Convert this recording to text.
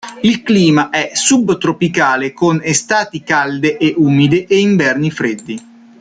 Il clima è subtropicale, con estati calde e umide e inverni freddi.